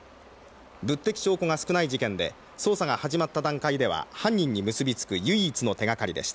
物的証拠が少ない事件で捜査が始まった段階では犯人に結び付く唯一の手がかりでした。